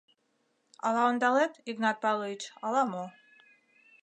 — Ала ондалет, Игнат Павлович, ала мо.